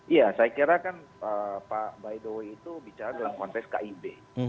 ya saya kira kan pak bayudowi itu bicara dalam kontes kib